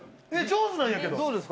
上手なんやけど！